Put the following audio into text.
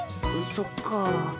そっか。